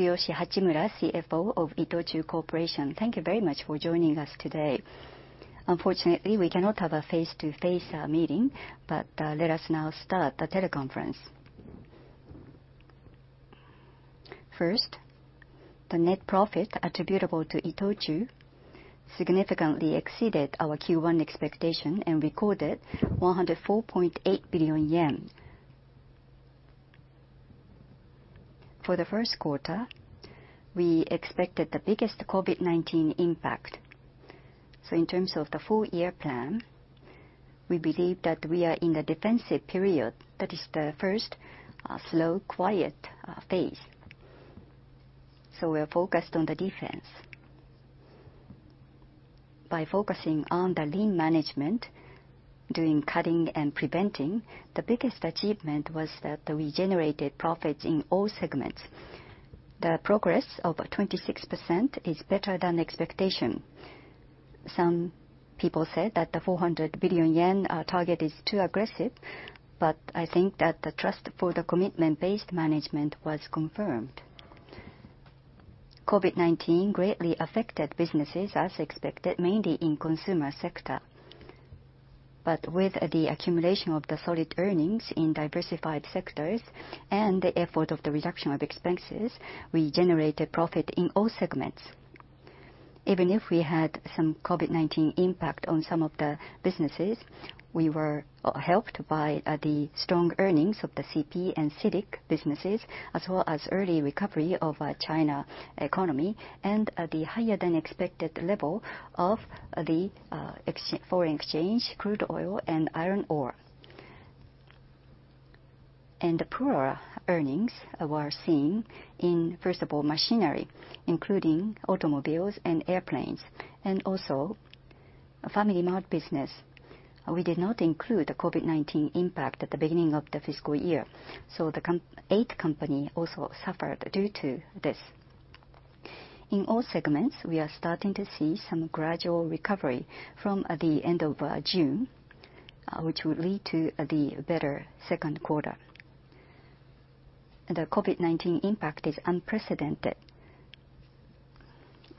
It's Tsuyoshi Hachimura, CFO of ITOCHU Corporation. Thank you very much for joining us today. Unfortunately, we cannot have a face-to-face meeting, but let us now start the teleconference. First, the net profit attributable to ITOCHU significantly exceeded our Q1 expectation and recorded 104.8 billion yen. For the first quarter, we expected the biggest COVID-19 impact. In terms of the full year plan, we believe that we are in the defensive period. That is the first slow, quiet phase. We are focused on the defense. By focusing on lean management, doing cutting and preventing, the biggest achievement was that we generated profits in all segments. The progress of 26% is better than expectation. Some people said that the 400 billion yen target is too aggressive, but I think that the trust for the commitment-based management was confirmed. COVID-19 greatly affected businesses, as expected, mainly in the consumer sector. With the accumulation of the solid earnings in diversified sectors and the effort of the reduction of expenses, we generated profit in all segments. Even if we had some COVID-19 impact on some of the businesses, we were helped by the strong earnings of the CP and CITIC businesses, as well as early recovery of China's economy and the higher-than-expected level of the foreign exchange, crude oil, and iron ore. The poorer earnings were seen in, first of all, machinery, including automobiles and airplanes, and also FamilyMart business. We did not include the COVID-19 impact at the beginning of the fiscal year, so The 8th Company also suffered due to this. In all segments, we are starting to see some gradual recovery from the end of June, which will lead to the better second quarter. The COVID-19 impact is unprecedented,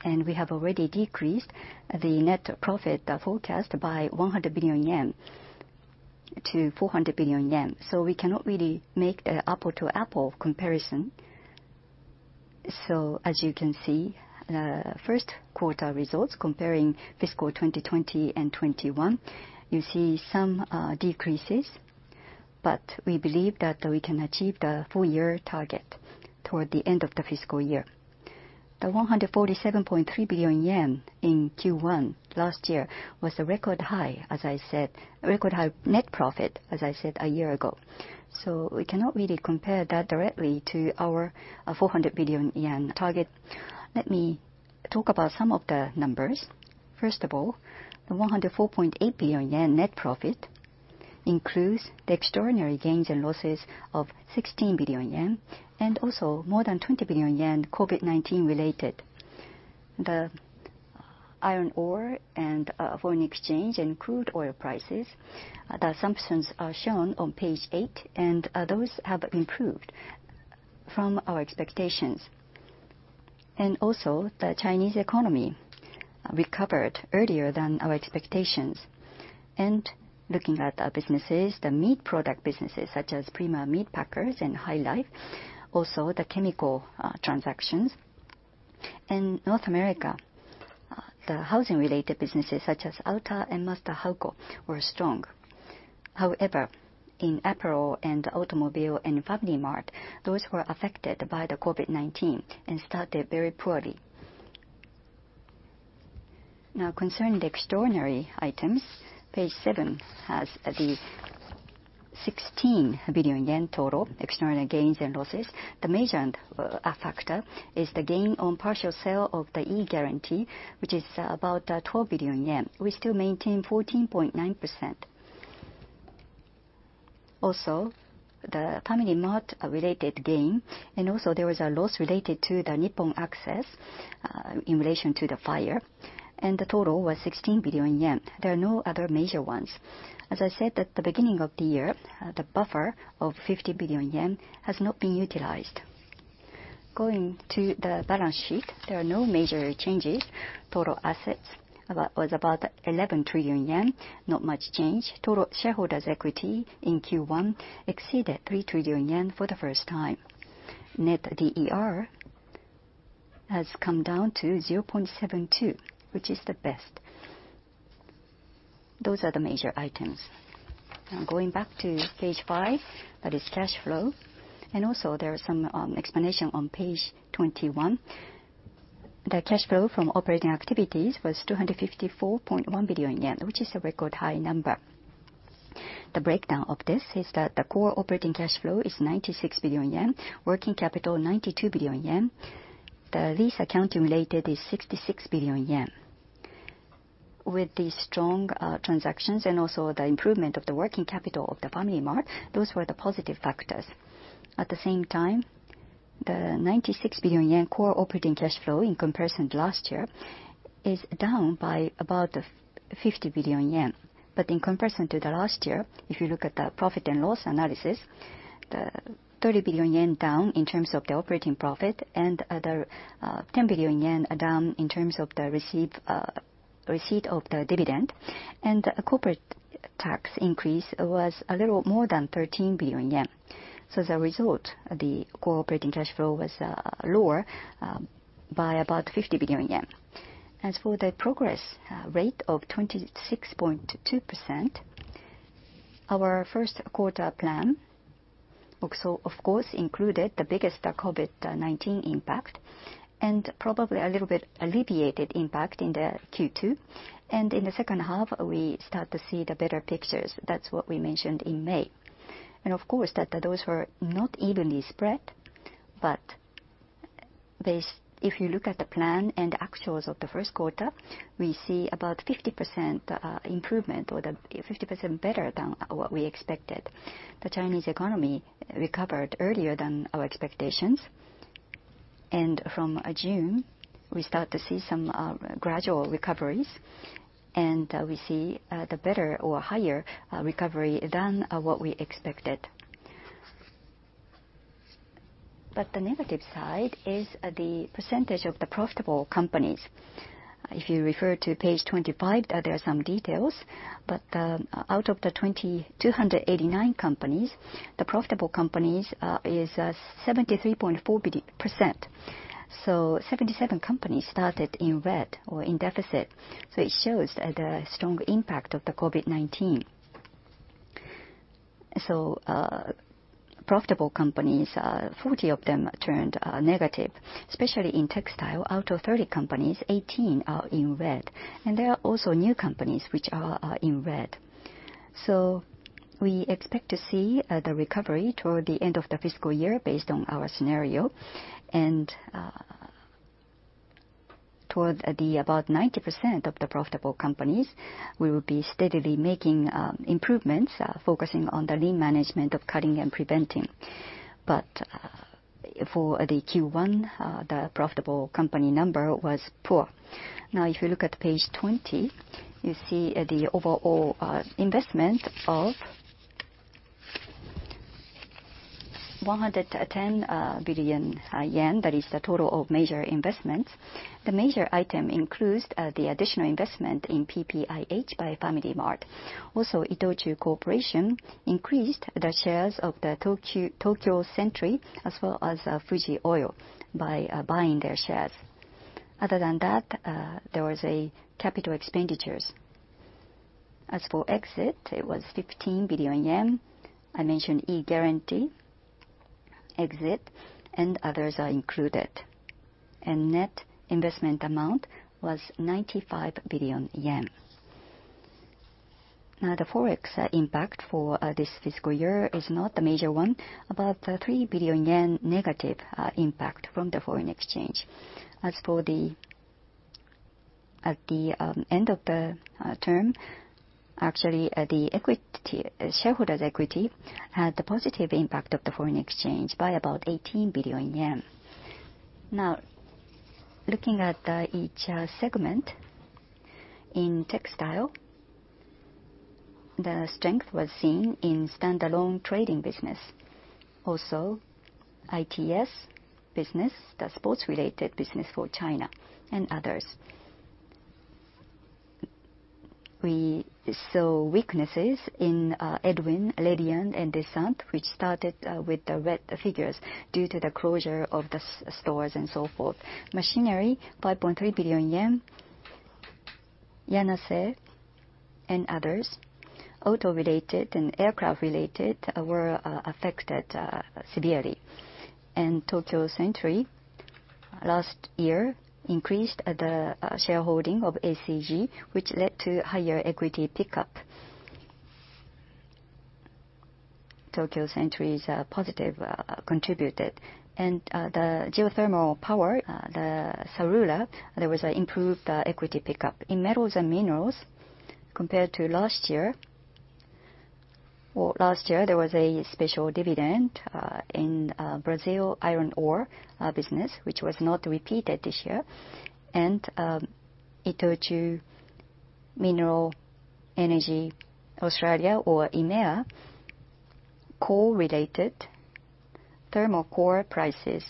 and we have already decreased the net profit forecast by 100 billion-400 billion yen. We cannot really make the apple-to-apple comparison. As you can see, the first quarter results comparing fiscal 2020 and 2021, you see some decreases, but we believe that we can achieve the full year target toward the end of the fiscal year. The 147.3 billion yen in Q1 last year was a record high, as I said, a record high net profit, as I said a year ago. We cannot really compare that directly to our 400 billion yen target. Let me talk about some of the numbers. First of all, the 104.8 billion yen net profit includes the extraordinary gains and losses of 16 billion yen and also more than 20 billion yen COVID-19 related. The iron ore and foreign exchange and crude oil prices, the assumptions are shown on page eight, and those have improved from our expectations. Also, the Chinese economy recovered earlier than our expectations. Looking at businesses, the meat product businesses such as Prima Meat Packers and HyLife, also the chemical transactions. In North America, the housing-related businesses such as Alta and Master Halco were strong. However, in apparel and automobile and FamilyMart, those were affected by the COVID-19 and started very poorly. Now, concerning the extraordinary items, page seven has the 16 billion yen total extraordinary gains and losses. The major factor is the gain on partial sale of the E-Guarantee, which is about 12 billion yen. We still maintain 14.9%. Also, the FamilyMart-related gain, and also there was a loss related to the Nippon Access in relation to the fire, and the total was 16 billion yen. There are no other major ones. As I said at the beginning of the year, the buffer of 50 billion yen has not been utilized. Going to the balance sheet, there are no major changes. Total assets was about 11 trillion yen, not much change. Total shareholders' equity in Q1 exceeded 3 trillion yen for the first time. Net D/E R has come down to 0.72, which is the best. Those are the major items. Now, going back to page five, that is cash flow. Also, there is some explanation on page 21. The cash flow from operating activities was 254.1 billion yen, which is a record high number. The breakdown of this is that the core operating cash flow is 96 billion yen, working capital 92 billion yen, the lease accounting-related is 66 billion yen. With the strong transactions and also the improvement of the working capital of FamilyMart, those were the positive factors. At the same time, the 96 billion yen core operating cash flow in comparison to last year is down by about 50 billion yen. In comparison to last year, if you look at the profit and loss analysis, the 30 billion yen down in terms of the operating profit and the 10 billion yen down in terms of the receipt of the dividend, and the corporate tax increase was a little more than 13 billion yen. As a result, the core operating cash flow was lower by about 50 billion yen. As for the progress rate of 26.2%, our first quarter plan, of course, included the biggest COVID-19 impact and probably a little bit alleviated impact in Q2. In the second half, we start to see the better pictures. That is what we mentioned in May. Of course, those were not evenly spread, but if you look at the plan and the actuals of the first quarter, we see about 50% improvement or 50% better than what we expected. The Chinese economy recovered earlier than our expectations. From June, we start to see some gradual recoveries, and we see the better or higher recovery than what we expected. The negative side is the percentage of the profitable companies. If you refer to page 25, there are some details, but out of the 289 companies, the profitable companies is 73.4%. Seventy-seven companies started in red or in deficit. It shows the strong impact of the COVID-19. Profitable companies, 40 of them turned negative, especially in textile. Out of 30 companies, 18 are in red, and there are also new companies which are in red. We expect to see the recovery toward the end of the fiscal year based on our scenario. Toward about 90% of the profitable companies, we will be steadily making improvements, focusing on the lean management of cutting and preventing. For Q1, the profitable company number was poor. If you look at page 20, you see the overall investment of 110 billion yen. That is the total of major investments. The major item includes the additional investment in PPIH by FamilyMart. Also, ITOCHU Corporation increased the shares of Tokyo Century as well as Fuji Oil by buying their shares. Other than that, there was capital expenditures. As for exit, it was 15 billion yen. I mentioned E-Guarantee exit, and others are included. Net investment amount was 95 billion yen. Now, the forex impact for this fiscal year is not the major one, about 3 billion yen negative impact from the foreign exchange. As for the end of the term, actually, the shareholders' equity had the positive impact of the foreign exchange by about 18 billion yen. Now, looking at each segment in textile, the strength was seen in standalone trading business, also ITS business, the sports-related business for China, and others. We saw weaknesses in Edwin, Leilian, and Descente, which started with the red figures due to the closure of the stores and so forth. Machinery, 5.3 billion yen, Yanase, and others. Auto related and aircraft related were affected severely. Tokyo Century last year increased the shareholding of ACG, which led to higher equity pickup. Tokyo Century's positive contributed. The geothermal power, the Sarulla, there was an improved equity pickup. In metals and minerals, compared to last year, there was a special dividend in Brazil iron ore business, which was not repeated this year. ITOCHU Minerals & Energy of Australia or IMEA, coal related, thermal coal prices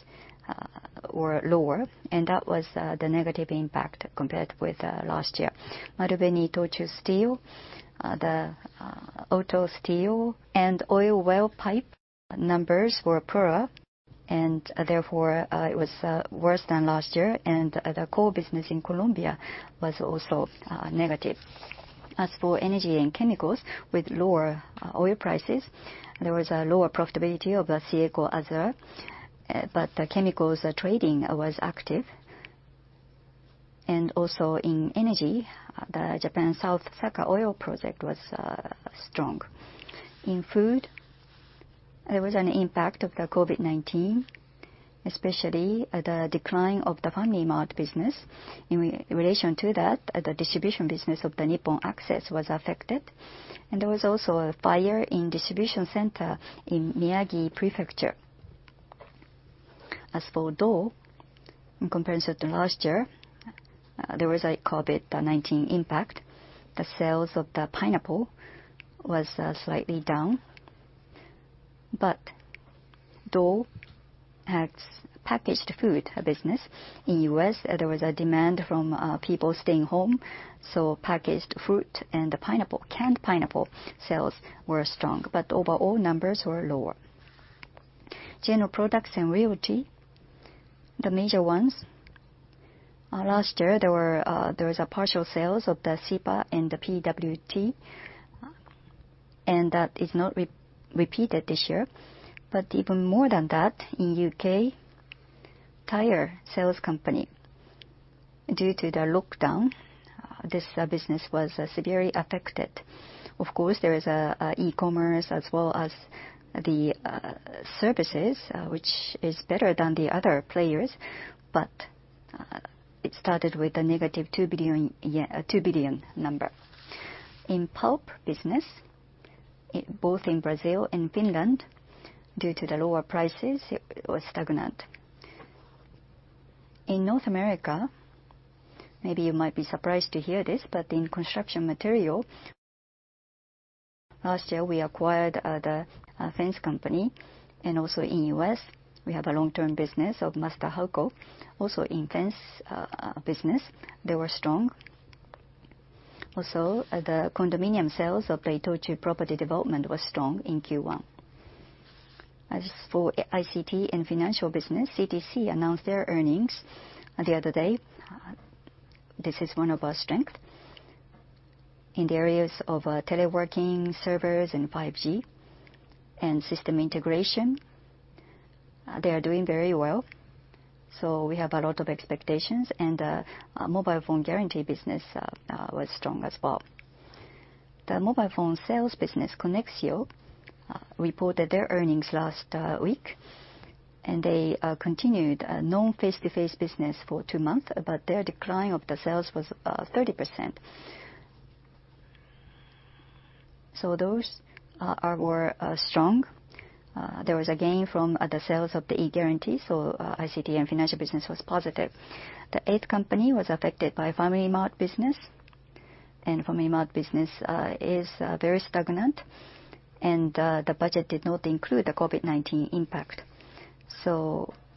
were lower, and that was the negative impact compared with last year. Marubeni-Itochu Steel, the auto steel and oil well pipe numbers were poorer, and therefore it was worse than last year, and the core business in Colombia was also negative. As for energy and chemicals, with lower oil prices, there was a lower profitability of CIECO Azer, but the chemicals trading was active. Also in energy, the Japan South Sakhalin Oil Project was strong. In food, there was an impact of the COVID-19, especially the decline of the FamilyMart business. In relation to that, the distribution business of Nippon Access was affected, and there was also a fire in the distribution center in Miyagi Prefecture. As for Dole, in comparison to last year, there was a COVID-19 impact. The sales of the pineapple was slightly down, but Dole has packaged food business. In the U.S., there was a demand from people staying home, so packaged fruit and canned pineapple sales were strong, but overall numbers were lower. General products and realty, the major ones, last year there was a partial sale of CIPA and the PWT, and that is not repeated this year. Even more than that, in the U.K., Tire Sales Company, due to the lockdown, this business was severely affected. Of course, there is e-commerce as well as the services, which is better than the other players, but it started with a negative 2 billion number. In pulp business, both in Brazil and Finland, due to the lower prices, it was stagnant. In North America, maybe you might be surprised to hear this, but in construction material, last year we acquired the fence company, and also in the U.S., we have a long-term business of Master Halco. Also in fence business, they were strong. Also, the condominium sales of the ITOCHU Property Development were strong in Q1. As for ICT and financial business, CTC announced their earnings the other day. This is one of our strengths in the areas of teleworking, servers, and 5G, and system integration. They are doing very well, so we have a lot of expectations, and the mobile phone guarantee business was strong as well. The mobile phone sales business, Connexio, reported their earnings last week, and they continued non-face-to-face business for two months, but their decline of the sales was 30%. Those were strong. There was a gain from the sales of the E-Guarantee, so ICT and financial business was positive. The 8th Company was affected by FamilyMart business, and FamilyMart business is very stagnant, and the budget did not include the COVID-19 impact.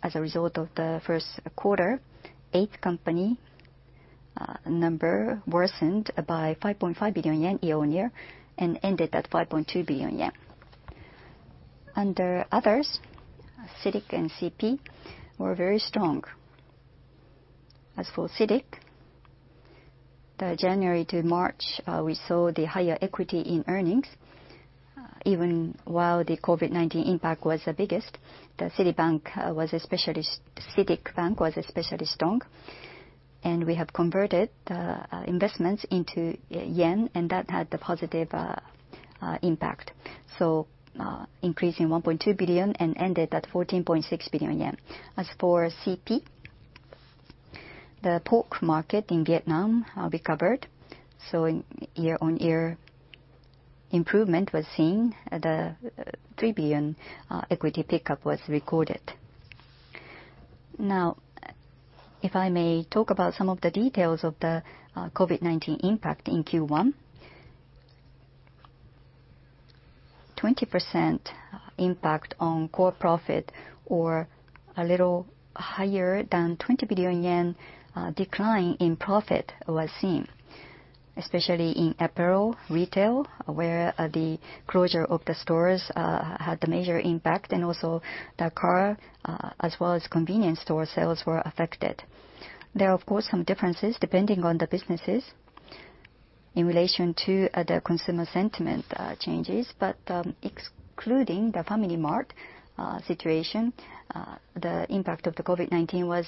As a result of the first quarter, 8th Company number worsened by 5.5 billion yen earlier and ended at 5.2 billion yen. Under others, CITIC and CP were very strong. As for CITIC, the January to March, we saw the higher equity in earnings. Even while the COVID-19 impact was the biggest, the CITIC Bank was especially strong, and we have converted the investments into yen, and that had the positive impact. Increasing 1.2 billion and ended at 14.6 billion yen. As for CP, the pork market in Vietnam recovered, so year-on-year improvement was seen. The 3 billion equity pickup was recorded. Now, if I may talk about some of the details of the COVID-19 impact in Q1, 20% impact on core profit or a little higher than 20 billion yen decline in profit was seen, especially in apparel retail where the closure of the stores had the major impact, and also the car as well as convenience store sales were affected. There are, of course, some differences depending on the businesses in relation to the consumer sentiment changes, but excluding the FamilyMart situation, the impact of the COVID-19 was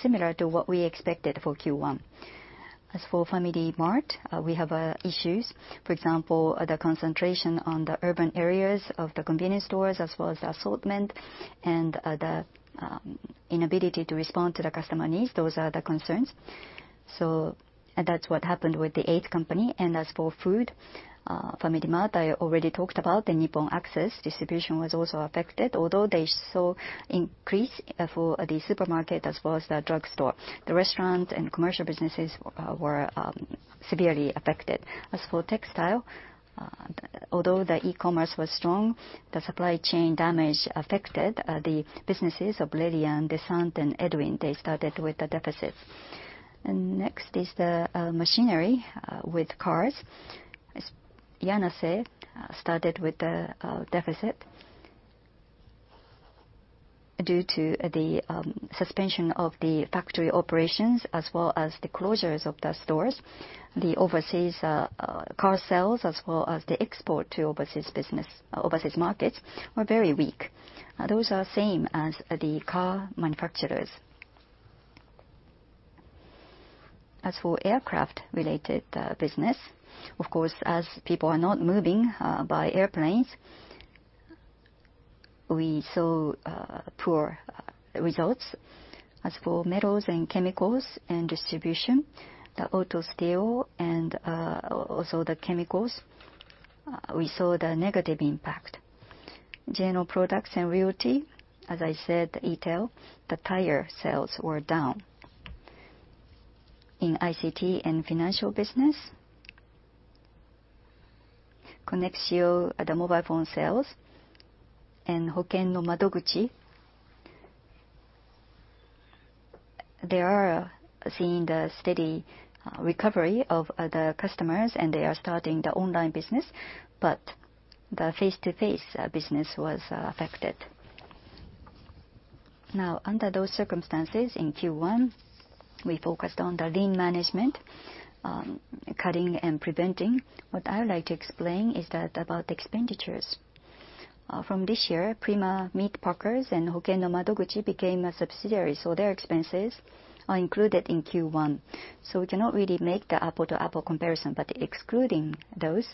similar to what we expected for Q1. As for FamilyMart, we have issues, for example, the concentration on the urban areas of the convenience stores as well as the assortment and the inability to respond to the customer needs. Those are the concerns. That is what happened with the 8th Company. As for food, FamilyMart, I already talked about the Nippon Access distribution was also affected, although they saw increase for the supermarket as well as the drug store. The restaurant and commercial businesses were severely affected. As for textile, although the e-commerce was strong, the supply chain damage affected the businesses of Leilian, Descente, and Edwin. They started with the deficits. Next is the machinery with cars. Yanase started with the deficit due to the suspension of the factory operations as well as the closures of the stores. The overseas car sales as well as the export to overseas markets were very weak. Those are same as the car manufacturers. As for aircraft-related business, of course, as people are not moving by airplanes, we saw poor results. As for metals and chemicals and distribution, the auto steel and also the chemicals, we saw the negative impact. General products and realty, as I said, ETEL, the tire sales were down. In ICT and financial business, Connexio, the mobile phone sales, and Hoken no Madoguchi, they are seeing the steady recovery of the customers, and they are starting the online business, but the face-to-face business was affected. Now, under those circumstances in Q1, we focused on the lean management, cutting and preventing. What I would like to explain is that about expenditures. From this year, Prima Meat Packers and Hoken no Madoguchi became a subsidiary, so their expenses are included in Q1. We cannot really make the apple-to-apple comparison, but excluding those,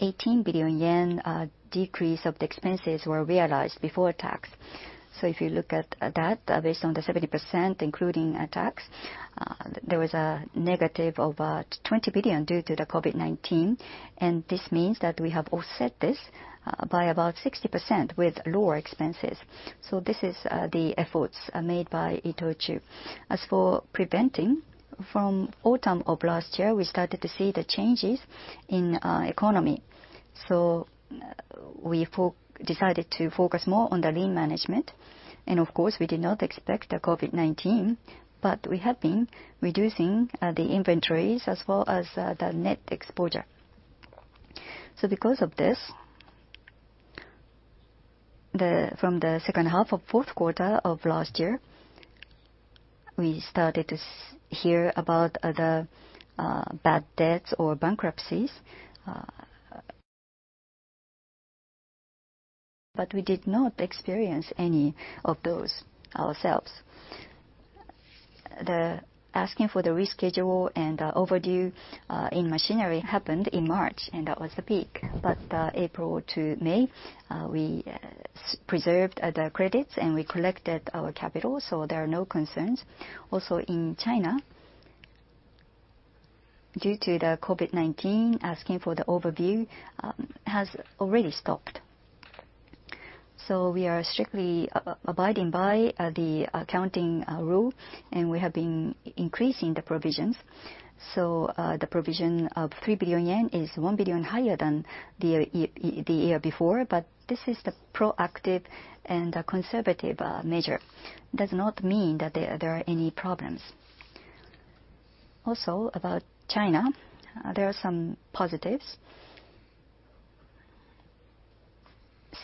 18 billion yen decrease of the expenses were realized before tax. If you look at that, based on the 70% including tax, there was a negative of about 20 billion due to the COVID-19, and this means that we have offset this by about 60% with lower expenses. This is the efforts made by ITOCHU. As for preventing, from autumn of last year, we started to see the changes in economy. We decided to focus more on the lean management, and of course, we did not expect the COVID-19, but we have been reducing the inventories as well as the net exposure. Because of this, from the second half of the fourth quarter of last year, we started to hear about the bad debts or bankruptcies, but we did not experience any of those ourselves. The asking for the reschedule and overdue in machinery happened in March, and that was the peak. April to May, we preserved the credits and we collected our capital, so there are no concerns. Also in China, due to the COVID-19 impact, asking for the overdue has already stopped. We are strictly abiding by the accounting rule, and we have been increasing the provisions. The provision of 3 billion yen is 1 billion higher than the year before, but this is the proactive and conservative measure. It does not mean that there are any problems. Also about China, there are some positives.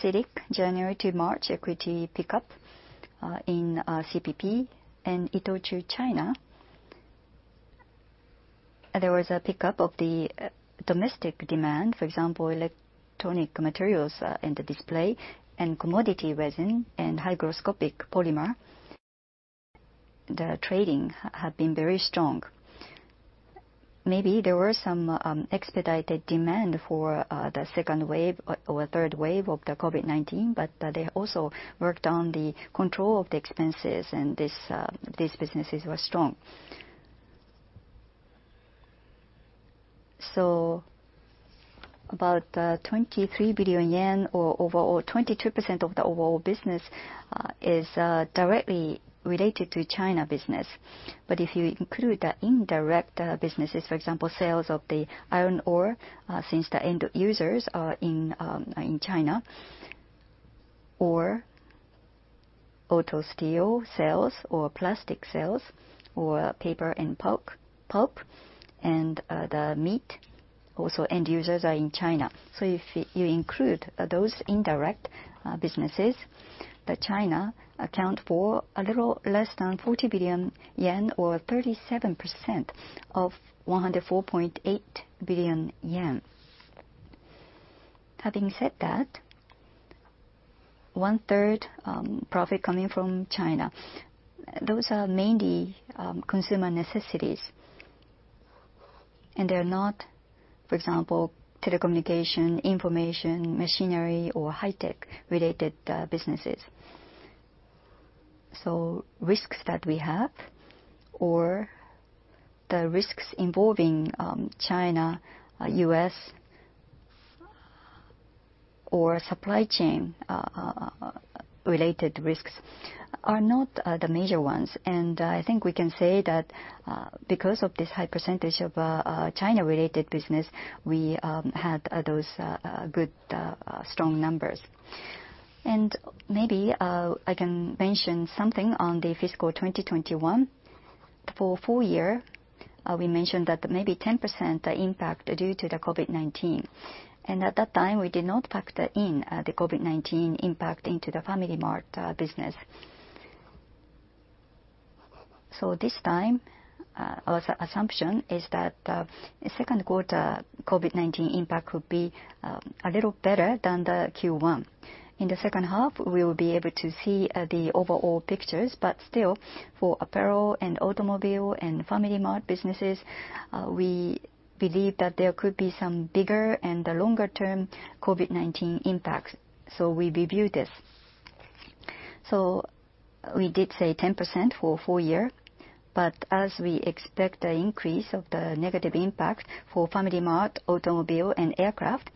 CITIC, January to March equity pickup in CPP and ITOCHU China, there was a pickup of the domestic demand, for example, electronic materials and display and commodity resin and hygroscopic polymer. The trading has been very strong. Maybe there were some expedited demand for the second wave or third wave of the COVID-19, but they also worked on the control of the expenses, and these businesses were strong. About 23 billion yen, or overall 22% of the overall business, is directly related to China business. If you include the indirect businesses, for example, sales of the iron ore since the end users are in China, or auto steel sales or plastic sales or paper and pulp, and the meat also end users are in China. If you include those indirect businesses, China accounts for a little less than 40 billion yen, or 37% of 104.8 billion yen. Having said that, 1/3 profit coming from China, those are mainly consumer necessities, and they are not, for example, telecommunication, information, machinery, or high-tech related businesses. Risks that we have, or the risks involving China, U.S., or supply chain related risks are not the major ones. I think we can say that because of this high percentage of China related business, we had those good strong numbers. Maybe I can mention something on the fiscal 2021. For four years, we mentioned that maybe 10% impact due to the COVID-19. At that time, we did not factor in the COVID-19 impact into the FamilyMart business. This time, our assumption is that the second quarter COVID-19 impact would be a little better than the Q1. In the second half, we will be able to see the overall pictures, but still, for apparel and automobile and FamilyMart businesses, we believe that there could be some bigger and longer-term COVID-19 impacts. We reviewed this. We did say 10% for four years, but as we expect the increase of the negative impact for FamilyMart, automobile, and aircraft,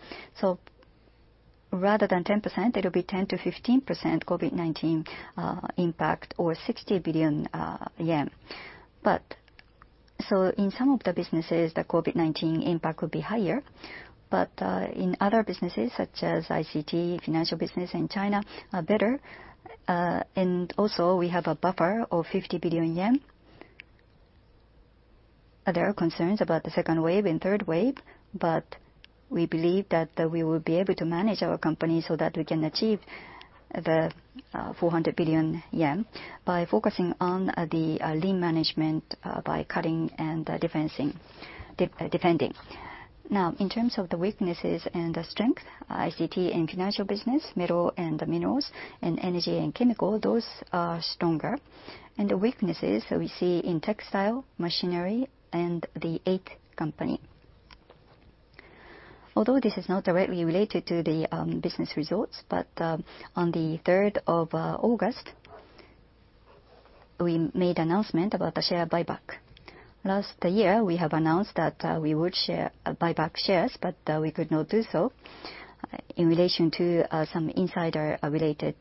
rather than 10%, it will be 10%-15% COVID-19 impact or JPY 60 billion. In some of the businesses, the COVID-19 impact would be higher, but in other businesses such as ICT, financial business, and China, better. Also, we have a buffer of 50 billion yen. There are concerns about the second wave and third wave, but we believe that we will be able to manage our company so that we can achieve the 400 billion yen by focusing on the lean management by cutting and defending. Now, in terms of the weaknesses and the strengths, ICT and financial business, metal and minerals, and energy and chemical, those are stronger. The weaknesses we see in textile, machinery, and the 8th Company. Although this is not directly related to the business results, on the third of August, we made announcement about the share buyback. Last year, we have announced that we would share buyback shares, but we could not do so in relation to some insider-related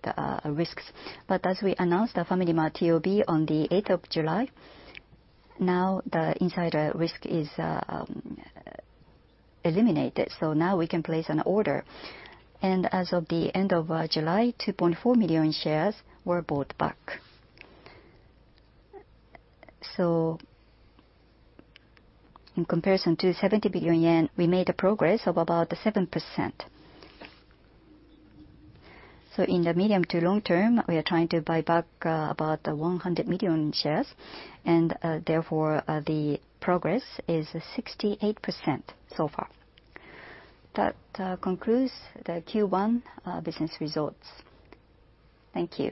risks. As we announced the FamilyMart TOB on the 8th of July, now the insider risk is eliminated. Now we can place an order. As of the end of July, 2.4 million shares were bought back. In comparison to 70 billion yen, we made a progress of about 7%. In the medium to long term, we are trying to buy back about 100 million shares, and therefore the progress is 68% so far. That concludes the Q1 business results. Thank you.